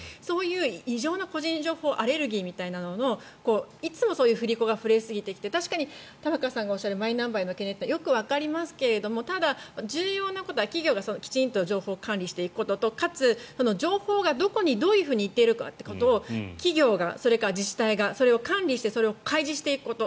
異常な個人情報アレルギーみたいなののいつもそういう振り子が振れすぎてきていて確かに玉川さんがおっしゃるマイナンバーへの懸念はよくわかりますがただ、重要なことは企業がきちんと情報を管理していくこととかつ、情報がどこにどう行っているかというのを企業が自治体が管理をして開示していくこと。